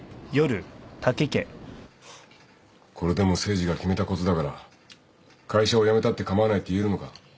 これでも誠治が決めたことだから会社を辞めたって構わないって言えるのか？